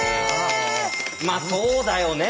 まあそうだよね。